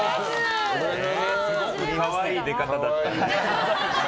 すごく可愛い出方だった。